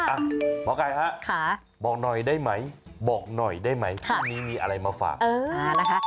หมอไก่ฮะบอกหน่อยได้ไหมบอกหน่อยได้ไหมช่วงนี้มีอะไรมาฝากนะคะ